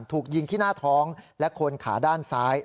ถูกยิงที่หน้าท้องและคนขาด้านซ้าย